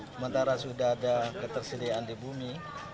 sementara sudah ada ketersediaan di bumi